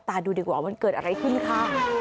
ดูดีกว่ามันเกิดอะไรขึ้นค่ะ